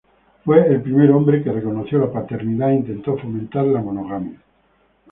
Fue el primer hombre que reconoció la paternidad e intentó fomentar la monogamia.